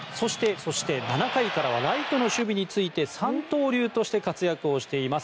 そして、７回からはライトの守備に就いて三刀流として活躍しています。